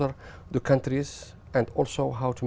và hợp lý giữa hai nước